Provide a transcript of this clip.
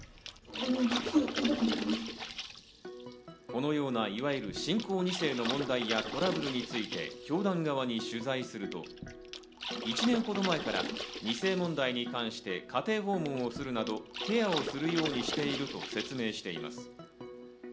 このようないわゆる信仰二世の問題や、トラブルについて教団側に取材すると、１年ほど前から二世問題に関して家庭訪問をするなどケアをするようにしていると説明しています。